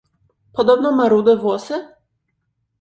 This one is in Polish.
"Podobno ma rude włosy?"